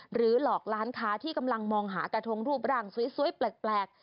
หรือหลอกร้านค้าที่กำลังมองหากระทงรูปร่างสวยแปลก